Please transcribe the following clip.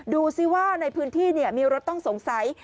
ดูสิว่าในพื้นที่มีรถต้องสงสัย